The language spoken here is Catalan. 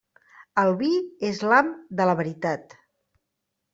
El vi és l'ham de la veritat.